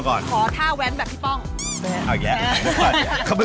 เขาบอกว่าไป